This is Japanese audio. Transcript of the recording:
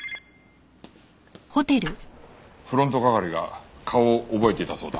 フロント係が顔を覚えていたそうだ。